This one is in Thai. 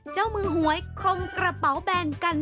เจ้ามือหวยคมกระเป๋าแบนกัน